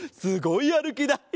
すごいやるきだ！